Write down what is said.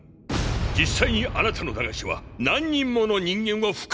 実際にあなたの駄菓子は何人もの人間を不幸にしている。